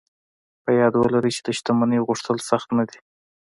په ياد ولرئ چې د شتمنۍ غوښتل سخت نه دي.